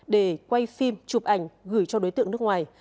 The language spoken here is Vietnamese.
để quay phim chụp ảnh gửi cho đối tượng nước ngoài